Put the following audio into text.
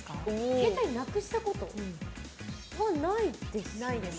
携帯なくしたことはないですね。